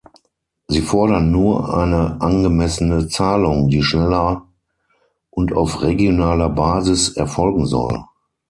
Sie fordern nur eine angemessene Zahlung, die schneller und auf regionaler Basis erfolgen soll.